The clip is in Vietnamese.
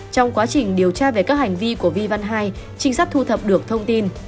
trong quá trình điều tra về các hành vi của vi văn hai trinh sát thu thập được thông tin